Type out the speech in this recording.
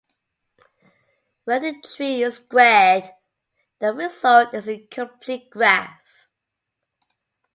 When the tree is squared, the result is the complete graph.